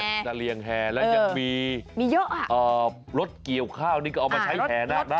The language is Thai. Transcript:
แบกสะเรียงแห่และยังมีรถเกี่ยวข้าวนี่ก็เอามาใช้แห่นาคได้